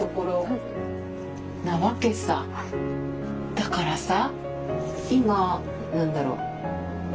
だからさ何だろう。